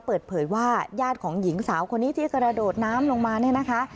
เปิดเผยว่าญาติของหญิงสาวคนนี้ที่กระโดดน้ำลงมาเนี่ยนะคะ